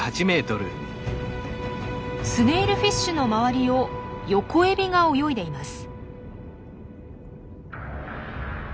スネイルフィッシュの周りをヨコエビが泳いでいます。